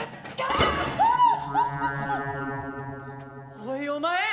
おいお前！